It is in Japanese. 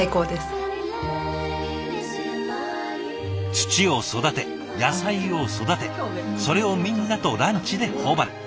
土を育て野菜を育てそれをみんなとランチで頬張る。